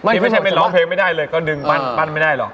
นี่ไม่ใช่ไม่ร้องเพลงไม่ได้เลยก็ดึงปั้นไม่ได้หรอก